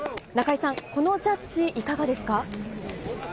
中井さん、このジャッジいかがですか？